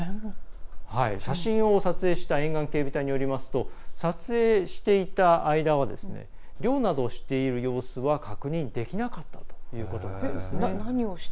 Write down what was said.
写真を撮影した沿岸警備隊によりますと撮影していた間は漁などをしている様子は確認できなかったということなんですね。